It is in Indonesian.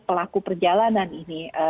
pelaku perjalanan ini